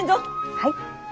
はい。